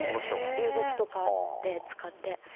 流木とかを使って。